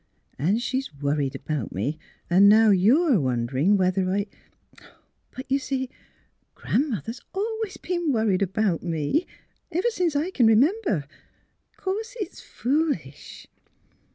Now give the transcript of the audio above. " And she is worried about me; and now you are wondering whether I But you see, Gran 'mother has always been worried about me — ever since I can remember. Of course it's foolish."